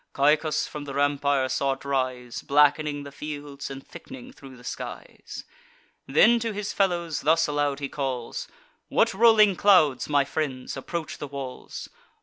Caicus from the rampire saw it rise, Black'ning the fields, and thick'ning thro' the skies. Then to his fellows thus aloud he calls: "What rolling clouds, my friends, approach the walls?